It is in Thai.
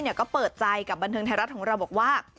ก็เปิดใจกับบันเทิงไทยรัฐของเราบอกว่า